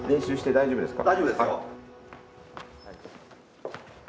大丈夫ですよ。